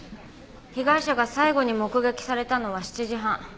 被害者が最後に目撃されたのは７時半。